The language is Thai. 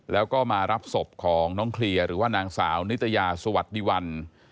แล้วก็มารับศพของน้องเคลียร์หรือว่านางสาวนิตยาสวัสดีวัน